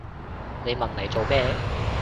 你問嚟做咩？